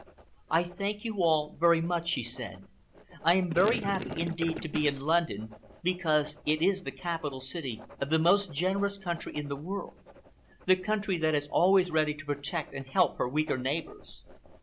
"I thank you all very much," she said. "I am very happy indeed to be in London, because it is the capital city of the most generous country in the world—the country that is always ready to protect and help her weaker neighbors.